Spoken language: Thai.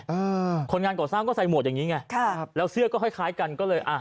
อืมคนงานก่อสร้างก็ใส่หมวกอย่างงี้ไงค่ะครับแล้วเสื้อก็คล้ายคล้ายกันก็เลยอ่ะ